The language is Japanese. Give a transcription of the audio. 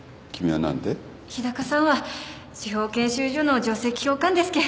日高さんは司法研修所の上席教官ですけん。